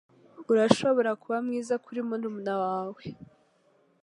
Urashobora kuba mwiza kuri murumuna wawe.